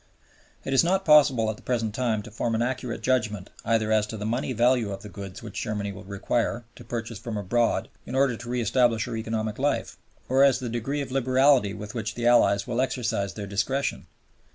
It is not possible at the present time to form an accurate judgment either as to the money value of the goods which Germany will require to purchase from abroad in order to re establish her economic life, or as to the degree of liberality with which the Allies will exercise their discretion.